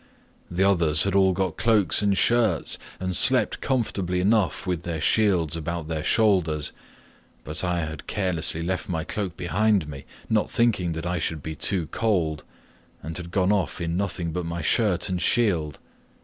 The others had all got cloaks and shirts, and slept comfortably enough with their shields about their shoulders, but I had carelessly left my cloak behind me, not thinking that I should be too cold, and had gone off in nothing but my shirt and shield.